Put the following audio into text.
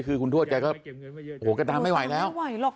คือคุณทวดแกก็โอ้โหแกตามไม่ไหวแล้วไหวหรอก